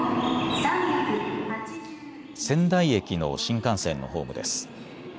仙台駅の新幹線のホームです。